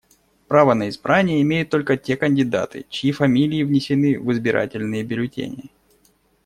Право на избрание имеют только те кандидаты, чьи фамилии внесены в избирательные бюллетени.